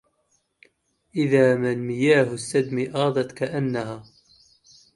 إذا ما المياه السدم آضت كأنها